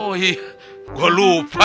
wih gue lupa